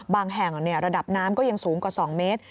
แห่งระดับน้ำก็ยังสูงกว่า๒เมตร